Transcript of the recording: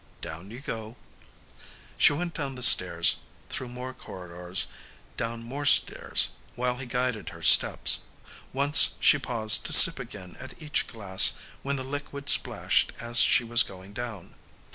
"Down you go." She went down the stairs, through more corridors, down more stairs, while he guided her steps. Once she paused to sip again at each glass when the liquid splashed as she was going down.